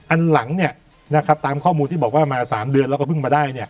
อันหลังตามข้อมูลที่บอกว่ามา๓เดือนแล้วก็เพิ่งมาได้